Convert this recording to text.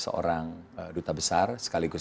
seorang duta besar sekaligus